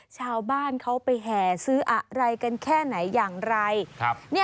ชาวบ้านเขาไปแห่ซื้ออะไรกันแค่ไหนอย่างไร